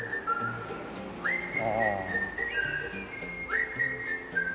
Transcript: ああ。